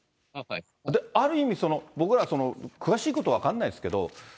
ある意味、僕ら詳しいことは分からないですけど。